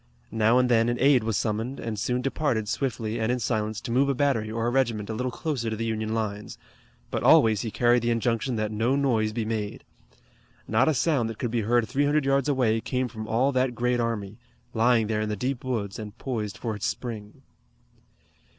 Now and then an aide was summoned, and soon departed swiftly and in silence to move a battery or a regiment a little closer to the Union lines, but always he carried the injunction that no noise be made. Not a sound that could be heard three hundred yards away came from all that great army, lying there in the deep woods and poised for its spring.